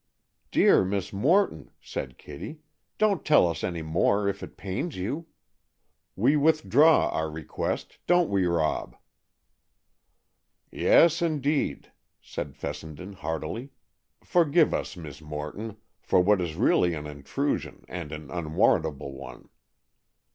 "Dear Miss Morton," said Kitty, "don't tell any more if it pains you. We withdraw our request, don't we, Rob?" "Yes, indeed," said Fessenden heartily; "forgive us, Miss Morton, for what is really an intrusion, and an unwarrantable one."